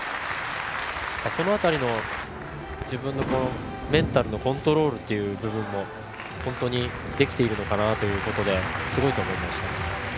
その辺りの自分のメンタルのコントロールという部分もできているのかなということですごいと思いました。